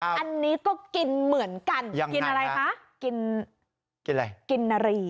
อันนี้ก็กินเหมือนกันกินอะไรคะกินกินอะไรกินนารี